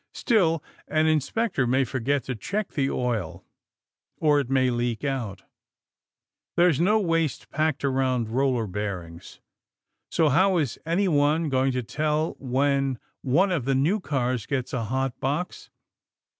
Still, an inspector may forget to check the oil, or it may leak out. There's no waste packed around roller bearings. So, how is anyone going to tell when one of the new cars gets a hot box?